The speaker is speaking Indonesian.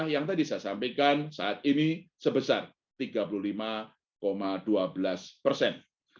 yang tadi saya sampaikan saat ini sebesar tiga puluh lima dua belas persen